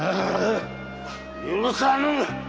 許さぬ！